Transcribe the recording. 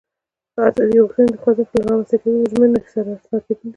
د ازادي غوښتنې د خوځښت له رامنځته کېدو له ژمینو سره آشنا کېدل دي.